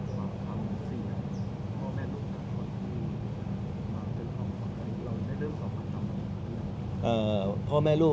หมอบรรยาหมอบรรยาหมอบรรยา